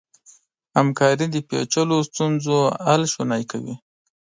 همکاري د پېچلو ستونزو حل شونی کوي.